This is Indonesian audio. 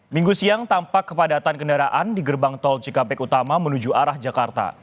minggu siang tampak kepadatan kendaraan di gerbang tol cikampek utama menuju arah jakarta